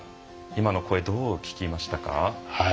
今の声どう聞きましたか？